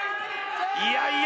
いやいや